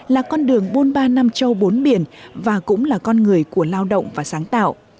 là con đường bôn ba năm châu bốn biển và cũng là con người của lao động và sáng tạo